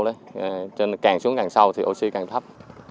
đó cho nên càng xuống càng sâu thì oxy càng thấp